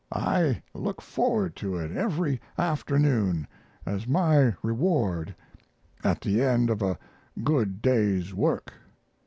I look forward to it every afternoon as my reward at the end of a good day's work."